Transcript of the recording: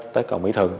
tới cầu mỹ thường